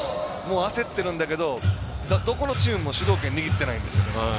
焦ってるんだけどどこのチームも主導権握ってないんですよね。